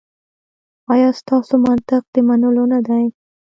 ایا ستاسو منطق د منلو نه دی؟